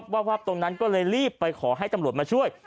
วาบตรงนั้นก็เลยรีบไปขอให้ตำรวจมาช่วย